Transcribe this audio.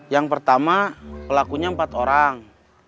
yang pertama pelakunya empat orang